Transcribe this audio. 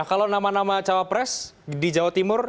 kalau nama nama cawapres di jawa timur